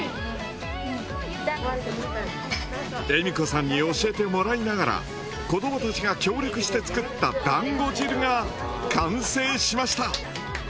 恵美子さんに教えてもらいながら子どもたちが協力して作っただんご汁が完成しました。